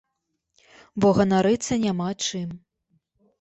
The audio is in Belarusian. Бо ганарыцца няма чым.